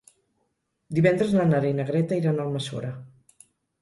Divendres na Nara i na Greta iran a Almassora.